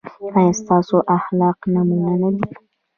ایا ستاسو اخلاق نمونه نه دي؟